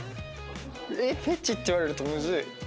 フェチって言われるとむずい。